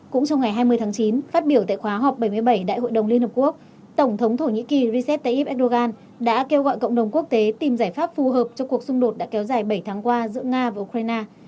cũng trong ngày hai mươi tháng chín phát biểu tại khóa họp bảy mươi bảy đại hội đồng liên hợp quốc tổng thống thổ nhĩ kỳ recep tayyip erdogan đã kêu gọi cộng đồng quốc tế tìm giải pháp phù hợp cho cuộc xung đột đã kéo dài bảy tháng qua giữa nga và ukraine